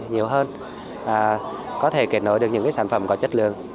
nhiều hơn có thể kể nội được những cái sản phẩm có chất lượng